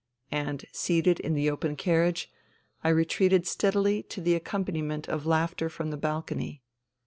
And, seated in the open carriage, I retreated steadily to the accompaniment of laughter from the balcony.